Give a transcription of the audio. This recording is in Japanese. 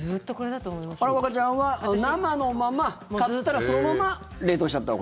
和歌ちゃんは生のまま買ったらそのまま冷凍しちゃったほうが。